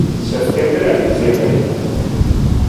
Septiembre a diciembre.